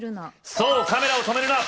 そうカメラを止めるな！